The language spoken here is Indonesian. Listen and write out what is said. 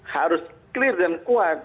harus clear dan kuat